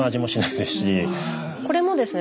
これもですね